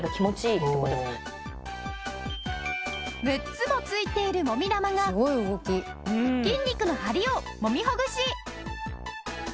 ６つも付いているもみ玉が筋肉の張りを揉みほぐし。